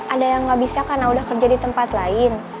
ada yang nggak bisa karena udah kerja di tempat lain